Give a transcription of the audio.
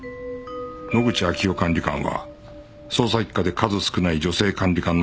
野口秋代管理官は捜査一課で数少ない女性管理官の一人である